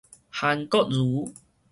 韓國瑜